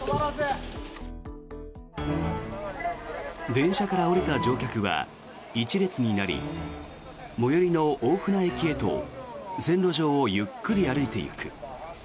電車から降りた乗客は一列になり最寄りの大船駅へと線路上をゆっくり歩いていく。